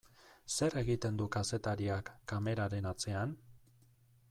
Zer egiten du kazetariak kameraren atzean?